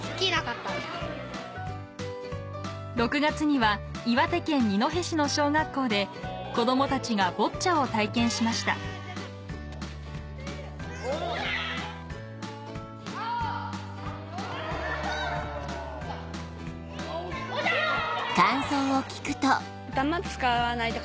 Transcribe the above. ６月には岩手県二戸市の小学校で子どもたちがボッチャを体験しましたもっと。